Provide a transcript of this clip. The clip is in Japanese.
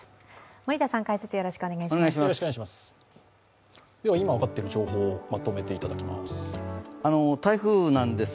森田さん解説よろしくお願いします。